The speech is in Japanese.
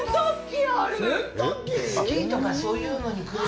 スキーとかそういうのに来る人の？